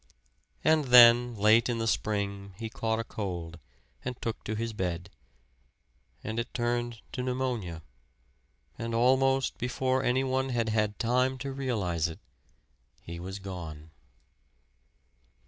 And then late in the spring he caught a cold, and took to his bed; and it turned to pneumonia, and almost before anyone had had time to realize it, he was gone.